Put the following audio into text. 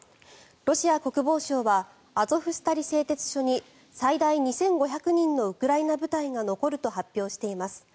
ロシア国防省はアゾフスタリ製鉄所に最大２５００人のウクライナ部隊が残ると発表しています。